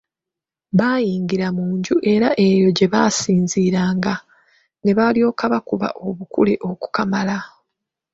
Baayingira mu nju era eyo gye basinziiranga ne balyoka bakuba obukule okukamala!